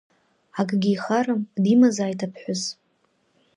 Акгьы ихарам, димазааит аԥҳәыс.